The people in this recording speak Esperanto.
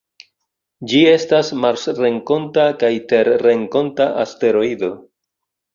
Ĝi estas marsrenkonta kaj terrenkonta asteroido.